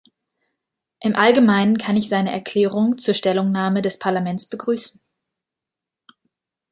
Im allgemeinen kann ich seine Erklärung zur Stellungnahme des Parlaments begrüßen.